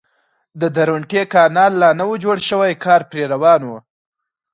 د درونټې کانال لا نه و جوړ شوی کار پرې روان و.